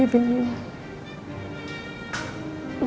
aku percaya padamu